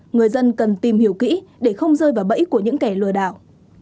người dân cần tìm hiểu kỹ để không rơi vào bẫy của những kẻ lừa đảo